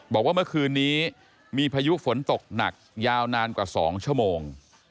บอกว่าเมื่อคืนนี้มีพายุฝนตกหนักยาวนานกว่า๒ชั่วโมง